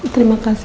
terima kasih ya